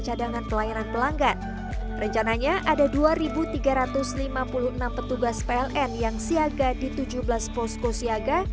cadangan pelayanan pelanggan rencananya ada dua ribu tiga ratus lima puluh enam petugas pln yang siaga di tujuh belas posko siaga